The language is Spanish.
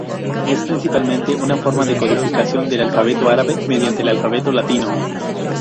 Es principalmente una forma de codificación del alfabeto árabe mediante el alfabeto latino.